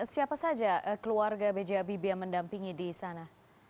siapa saja keluarga b j habibie yang mendampingi di sana